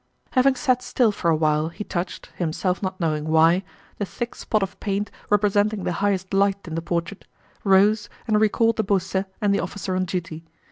Having sat still for a while he touched—himself not knowing why—the thick spot of paint representing the highest light in the portrait, rose, and recalled de Beausset and the officer on duty.